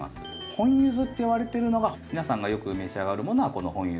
本ユズって呼ばれてるのが皆さんがよく召し上がるものはこの本ユズです。